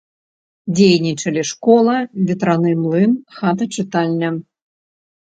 Дзейнічалі школа, ветраны млын, хата-чытальня.